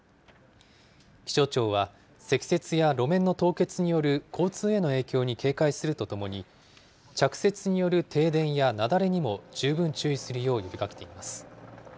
気象庁は、積雪や路面の凍結による交通への影響に警戒するとともに、着雪による停電や雪崩にも十分注意するよう呼びかけています。